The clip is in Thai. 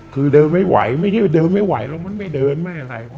คือเดินไม่ไหวไม่ใช่ว่าเดินไม่ไหวแล้วมันไม่เดินไม่อะไร